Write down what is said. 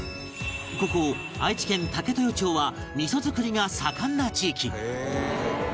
ここ愛知県武豊町は味噌作りが盛んな地域